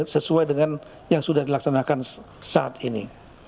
sesuai dengan yang sudah dilaksanakan saat ini